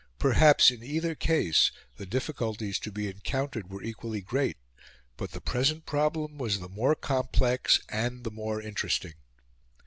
Perhaps in either case the difficulties to be encountered were equally great; but the present problem was the more complex and the more interesting.